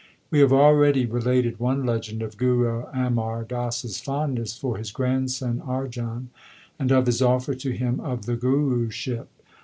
We have already related one legend of Guru Amar Das s fondness for his grandson Arjan, and of his offer to him of the Guruship.